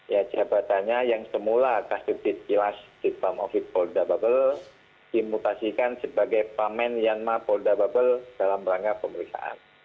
ya jabatannya yang semula kastudit ilas dipam ovid polda babel dimutasikan sebagai pamen yanma polda babel dalam rangka pemeriksaan